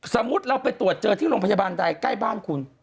สมมุติเราไปตรวจเจอที่โรงพยาบาลใดใกล้บ้านคุณ